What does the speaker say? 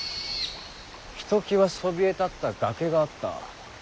ひときわそびえ立った崖があった。